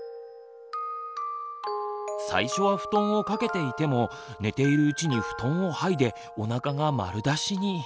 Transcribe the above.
最初は布団を掛けていても寝ているうちに布団をはいでおなかが丸出しに。